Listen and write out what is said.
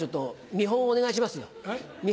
見本お願いしますよ。